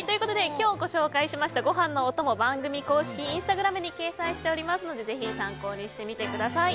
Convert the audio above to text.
今日ご紹介しましたご飯のお供番組公式インスタグラムに掲載しておりますのでぜひ参考にしてみてください。